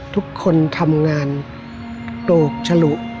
ทุกคนทำงานโปรกฉลุ